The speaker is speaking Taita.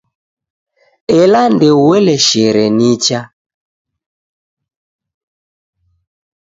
Ela ndoueleshere nicha.